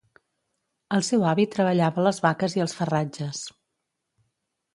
El seu avi treballava les vaques i els farratges.